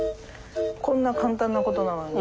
こんな簡単な事なのにね。